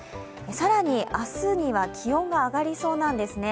更に明日には気温が上がりそうなんですね。